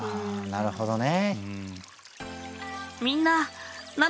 なるほどね。